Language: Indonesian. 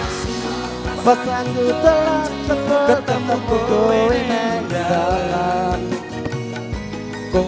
semua rasaku telanjang ketemu ku kowe nenjalan